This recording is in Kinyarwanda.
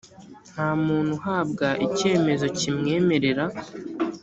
nta muntu uhabwa icyemezo kimwemerera